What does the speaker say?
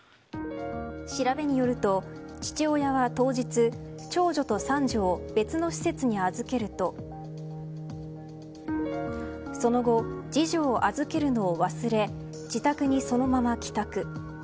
調べによると父親は当日長女と三女を別の施設に預けるとその後、次女を預けるの忘れ自宅にそのまま帰宅。